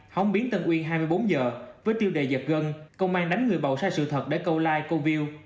hóng biến tân uy hai mươi bốn h với tiêu đề giật gân công an đánh người bầu sai sự thật để câu like câu view